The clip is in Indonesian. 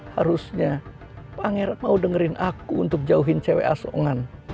harusnya pangeran mau dengerin aku untuk jauhin cewek asongan